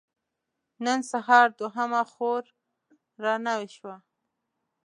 نن سهار دوهمه خور را نوې شوه.